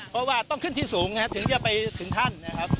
เพราะว่าต้องขึ้นที่สูงถึงจะไปถึงท่านนะครับ